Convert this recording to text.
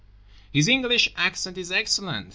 His English accent is excellent.